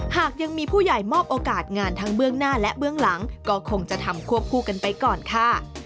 หากยังมีผู้ใหญ่มอบโอกาสงานทั้งเบื้องหน้าและเบื้องหลังก็คงจะทำควบคู่กันไปก่อนค่ะ